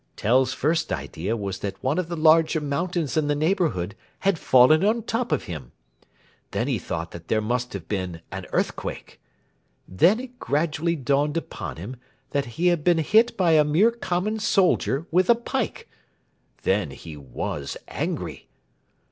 Tell's first idea was that one of the larger mountains in the neighbourhood had fallen on top of him. Then he thought that there must have been an earthquake. Then it gradually dawned upon him that he had been hit by a mere common soldier with a pike. Then he was angry.